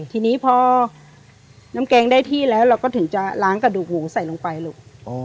ทีนี้พอน้ำแกงได้ที่แล้วเราก็ถึงจะล้างกระดูกหมูใส่ลงไปลูก